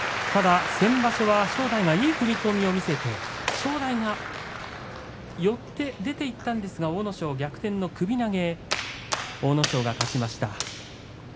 ただ先場所は正代がいい踏み込みを見せて正代が寄って出ていったんですが阿武咲が逆転の首投げ阿武咲が勝ちました。